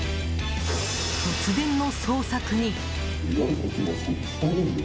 突然の捜索に。